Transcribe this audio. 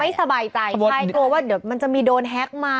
สบายใจใช่กลัวว่าเดี๋ยวมันจะมีโดนแฮ็กมา